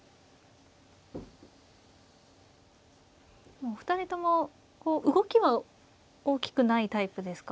もうお二人とも動きは大きくないタイプですか。